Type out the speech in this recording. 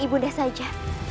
ibu nisa saja